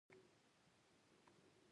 یو چا راته وویل چې شرط مه پرې تړه.